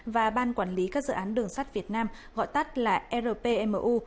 và ban quản lý các dự án đường sắt việt nam gọi tắt là rpmu